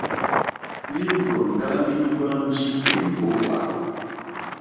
Lírzòŋgá líhwánjì èmbówà.